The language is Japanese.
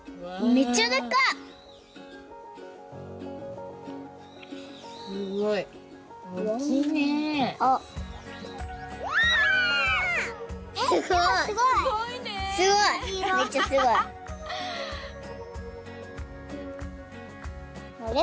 めっちゃすごい。あれ？